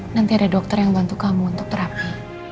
nanti ada dokter yang bantu kamu untuk terapi